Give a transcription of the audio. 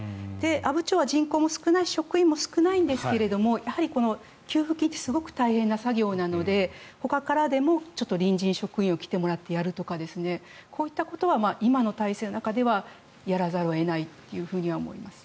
阿武町は人口も少ないし職員も少ないんですが給付金ってすごく大変な作業なのでほかからでも臨時に職員に来てもらってやるとかこういったことは今の体制の中ではやらざるを得ないと思います。